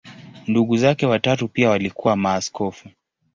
Ndugu zake watatu pia walikuwa maaskofu.